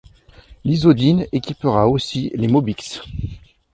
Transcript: L'Isodyne équipera aussi les Mobyx.